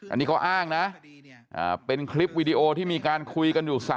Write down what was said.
อันนี้เขาอ้างนะเป็นคลิปวีดีโอที่มีการคุยกันอยู่